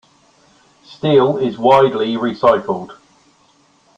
Steel is widely recycled.